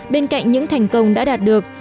bên cạnh những thành công đã đạt được